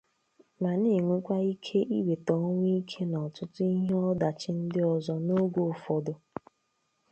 ma na-nwekwa ike iwètà ọnwụ ike na ọtụtụ ihe ọdachi ndị ọzọ oge ụfọdụ